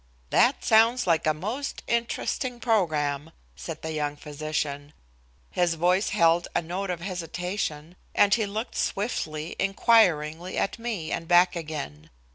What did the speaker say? "That sounds like a most interesting program," said the young physician. His voice held a note of hesitation, and he looked swiftly, inquiringly, at me and back again.